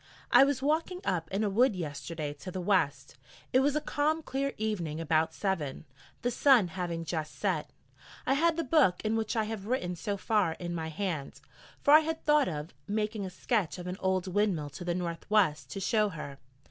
I was walking up in a wood yesterday to the west it was a calm clear evening about seven, the sun having just set. I had the book in which I have written so far in my hand, for I had thought of making a sketch of an old windmill to the north west to show her.